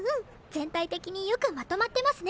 全体的によくまとまってますね。